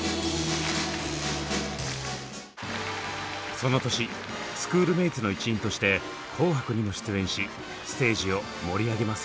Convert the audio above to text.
その年スクールメイツの一員として「紅白」にも出演しステージを盛り上げます。